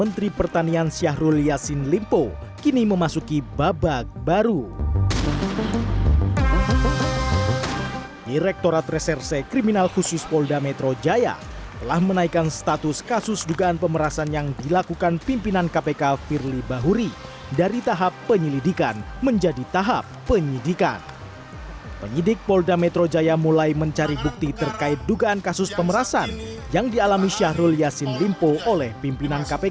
dalam kesempatan itu tentu kami